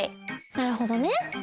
なるほどね。